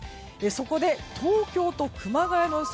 そこで、東京と熊谷の予想